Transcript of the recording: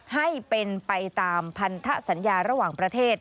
ให้เป็นไปตามพันธสัญญาระหว่างประเทศ